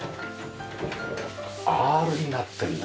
アールになってるんだ。